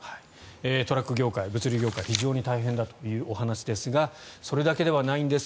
トラック業界、物流業界非常に大変だというお話ですがそれだけではないんです。